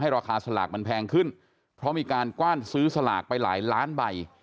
จะไปดูแลคนที่ถูกจับหรือเปล่าหรืออะไรยังไง